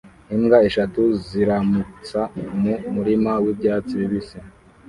Imbwa eshatu ziramutsa mu murima wibyatsi bibisi